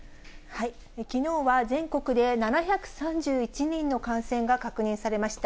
きのうは全国で７３１人の感染が確認されました。